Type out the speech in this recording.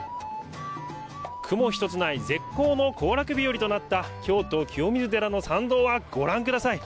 雲一つない絶好の行楽日和となった京都・清水寺の参道はご覧ください。